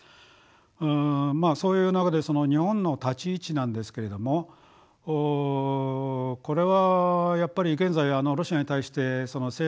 そういう中で日本の立ち位置なんですけれどもこれはやっぱり現在ロシアに対して制裁やってるのは